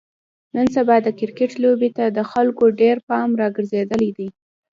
نن سبا د کرکټ لوبې ته د خلکو ډېر پام راگرځېدلی دی.